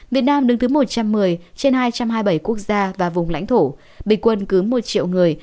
việt nam đứng thứ một trăm một mươi trên hai trăm hai mươi bảy quốc gia và vùng lãnh thổ bình quân cứ một triệu người